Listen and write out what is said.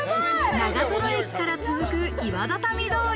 長瀞駅から続く岩畳通り。